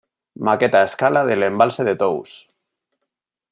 Maqueta a escala del embalse de Tous.